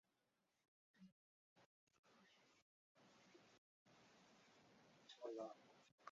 达纳氏烛光鱼为辐鳍鱼纲巨口鱼目褶胸鱼科的其中一种。